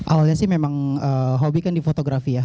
awalnya sih memang hobi kan di fotografi ya